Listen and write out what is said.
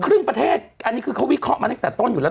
ครึ่งประเทศอันนี้คือเขาวิเคราะห์มาตั้งแต่ต้นอยู่แล้ว